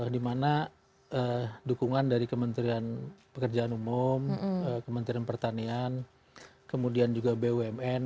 dimana dukungan dari kementerian pekerjaan umum kementerian pertanian kemudian juga bumn